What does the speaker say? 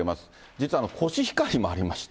実はコシヒカリもありまして。